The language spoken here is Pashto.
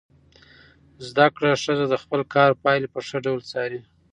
زده کړه ښځه د خپل کار پایلې په ښه ډول څاري.